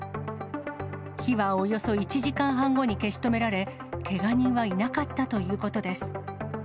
火はおよそ１時間半後に消し止められ、けが人はいなかったということです。